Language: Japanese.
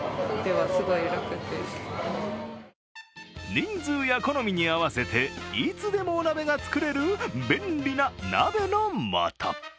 人数や好みに合わせていつでもお鍋が作れる便利な鍋の素。